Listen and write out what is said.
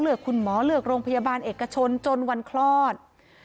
คุณหมอเลือกโรงพยาบาลเอกชนจนวันคลอด